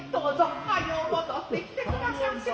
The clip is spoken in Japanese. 早う戻ってきてくだしゃんせ。